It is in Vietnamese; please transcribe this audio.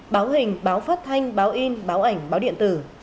báo hình báo phát thanh báo in báo ảnh báo điện tử